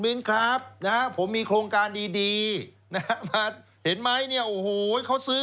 วินครับนะผมมีโครงการดีเห็นไหมเนี่ยโอ้โหเขาซื้อ